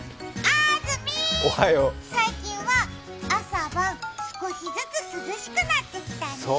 あーずみ、最近は朝晩、少しずつ涼しくなってきたね。